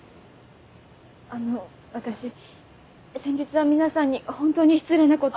あの私先日は皆さんに本当に失礼なことを。